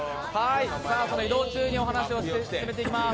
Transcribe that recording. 移動中にお話を進めていきます。